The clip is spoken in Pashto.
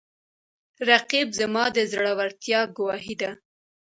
رقیب زما د زړورتیا ګواهي ده